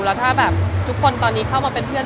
แล้วถ้าแบบทุกคนตอนนี้เข้ามาเป็นเพื่อน